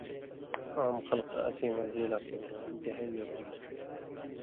عام خلکہ اس مرضی لا پورژؤں انتہائی ضروری تُھو